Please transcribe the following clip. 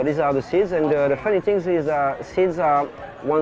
dan hal lucu adalah buah buahan setelah digoreng